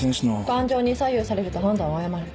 感情に左右されると判断を誤る。